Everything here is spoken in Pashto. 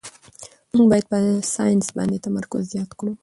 موږ باید په ساینس باندې تمرکز زیات کړو